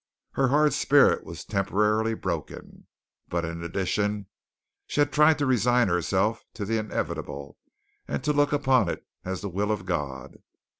Her hard spirit was temporarily broken, but in addition she had tried to resign herself to the inevitable and to look upon it as the will of God.